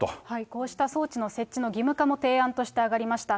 こうした装置の設置の義務化も提案として挙がりました。